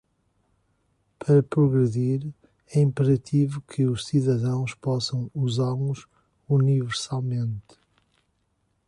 Para progredir, é imperativo que os cidadãos possam usá-los universalmente.